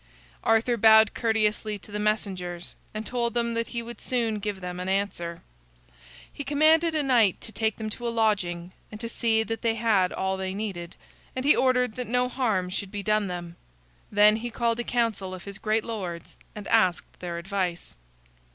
Arthur bowed courteously to the messengers, and told them that he would soon give them an answer. He commanded a knight to take them to a lodging, and to see that they had all they needed, and he ordered that no harm should be done them. Then he called a council of his great lords and asked their advice.